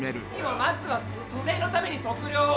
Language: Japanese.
まずは租税のために測量を。